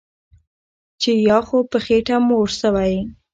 چې یا خو په خېټه موړ شوی